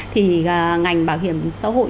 thì ngành bảo hiểm xã hội